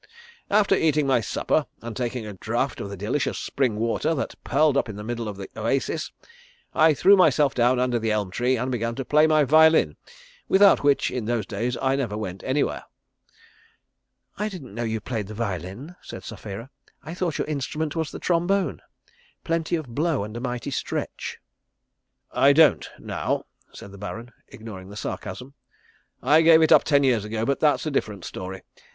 "After eating my supper and taking a draught of the delicious spring water that purled up in the middle of the oasis, I threw myself down under the elm tree, and began to play my violin, without which in those days I never went anywhere." "I didn't know you played the violin," said Sapphira. "I thought your instrument was the trombone plenty of blow and a mighty stretch." "I don't now," said the Baron, ignoring the sarcasm. "I gave it up ten years ago but that's a different story.